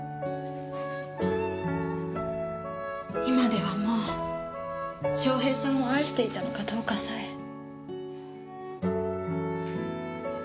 今ではもう翔平さんを愛していたのかどうかさえ。